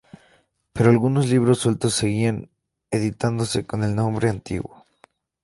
Pero algunos libros sueltos seguían editándose con el nombre antiguo.